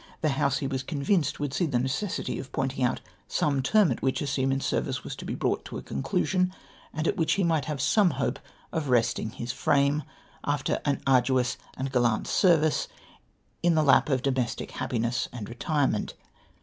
The House, he was convinced, would see the necessity of pointing out some term at which a seaman's service was to be brought to a conclusion, and at which he might have some hope of resting his frame, after an arduous and gallant service, in the lap of domestic hap piness and retirement.